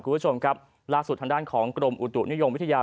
คุณผู้ชมครับล่าสุดทางด้านของกรมอุตุนิยมวิทยา